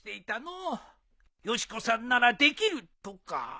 「よし子さんならできる」とか。